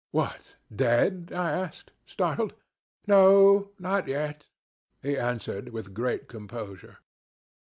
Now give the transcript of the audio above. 'What! Dead?' I asked, startled. 'No, not yet,' he answered, with great composure.